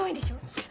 そう。